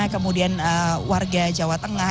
kemudian warga jawa tengah